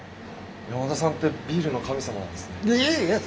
山田さんってビールの神様なんですね。